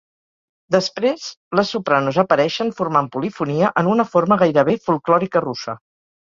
Després les sopranos apareixen formant polifonia, en una forma gairebé folklòrica russa.